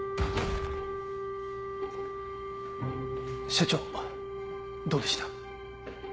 社長どうでした？